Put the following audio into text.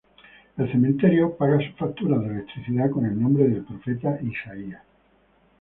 El cementerio paga sus facturas de electricidad con el nombre del profeta "Isaías".